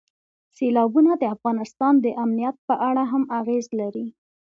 سیلابونه د افغانستان د امنیت په اړه هم اغېز لري.